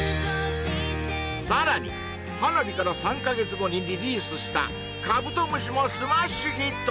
さらに「花火」から３カ月後にリリースした「カブトムシ」もスマッシュヒット